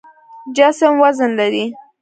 جسم وزن لري.